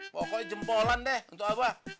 pokoknya jempolan deh untuk apa